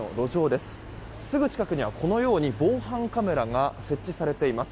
すぐ近くには、防犯カメラが設置されています。